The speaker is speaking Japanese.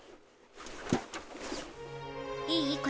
いい？